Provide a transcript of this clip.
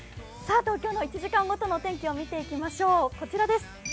東京の１時間ごとの天気を見ていきましょう。